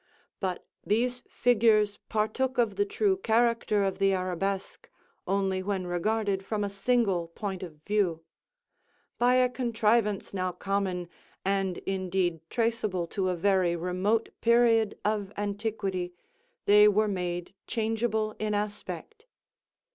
But these figures partook of the true character of the arabesque only when regarded from a single point of view. By a contrivance now common, and indeed traceable to a very remote period of antiquity, they were made changeable in aspect.